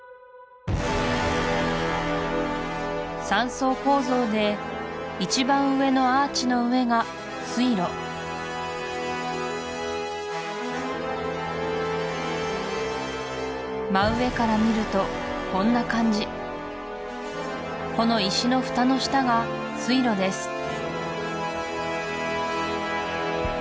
三層構造で一番上のアーチの上が水路真上から見るとこんな感じこの石の蓋の下が水路です